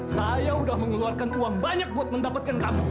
saya sudah mengeluarkan uang banyak buat mendapatkan kamu